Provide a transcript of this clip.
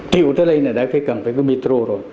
chiều tới đây là đã phải cần phải có metro rồi